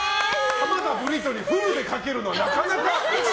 浜田ブリトニーフルで書けるのはなかなか。